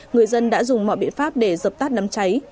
người dân đã dùng mọi biện pháp để dập tắt đám cháy